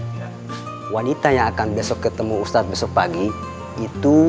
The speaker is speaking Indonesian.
kalau saya mau besok ketemu ustadz besok pagi itu